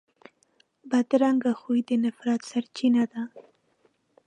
بدرنګه خوی د نفرت سرچینه ده